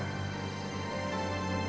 yang gak waras